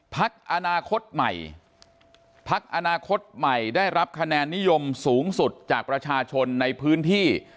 พักอนาคตใหม่พักอนาคตใหม่ได้รับคะแนนนิยมสูงสุดจากประชาชนในพื้นที่